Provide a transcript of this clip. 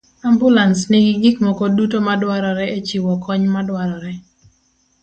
Ambulans nigi gik moko duto madwarore e chiwo kony madwarore.